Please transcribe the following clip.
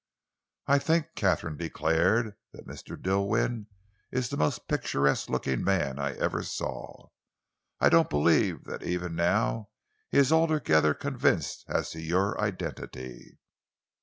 "I think," Katharine declared, "that Mr. Dilwyn is the most picturesque looking man I ever saw. I don't believe that even now he is altogether convinced as to your identity."